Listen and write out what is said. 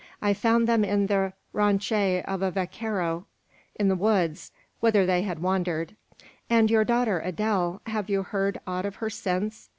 I found them in the ranche of a vaquero in the woods, whither they had wandered." "And your daughter Adele have you heard aught of her since?"